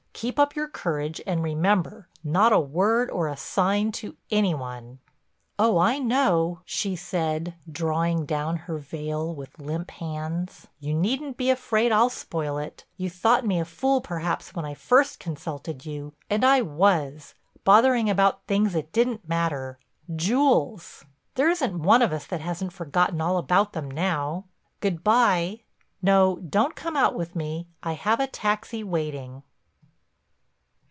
Keep up your courage and remember—not a word or a sign to any one." "Oh, I know," she said, drawing down her veil with limp hands, "you needn't be afraid I'll spoil it. You thought me a fool, perhaps, when I first consulted you, and I was, bothering about things that didn't matter—jewels! There isn't one of us that hasn't forgotten all about them now. Good by. No, don't come out with me. I have a taxi waiting."